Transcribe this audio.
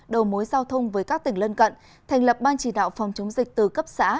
đầu mối giao thông với các tỉnh lân cận thành lập ban chỉ đạo phòng chống dịch từ cấp xã